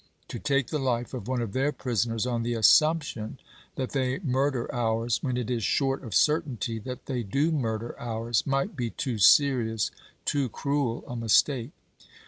To take the life of one of their prisoners on the assumption that they murder ours, when it is short of certainty that they do murder ours, might be too serious, too cruel, a mistake.